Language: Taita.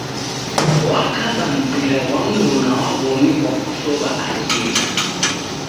Wakaba mpira ghwa mruna wa w'omi kwa kusow'a akili.